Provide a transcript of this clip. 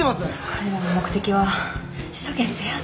彼らの目的は首都圏制圧！？